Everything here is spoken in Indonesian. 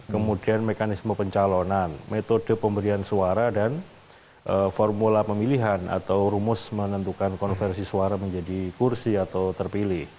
kemudian mekanisme pencalonan metode pemberian suara dan formula pemilihan atau rumus menentukan konversi suara menjadi kursi atau terpilih